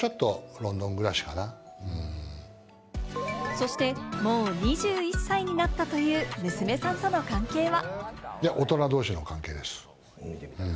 そして、もう２１歳になったという娘さんとの関係は？